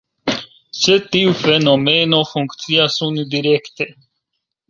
Sed tiu fenomeno funkcias unudirekte.